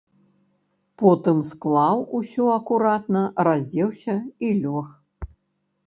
Потым склаў усё акуратна, раздзеўся і лёг.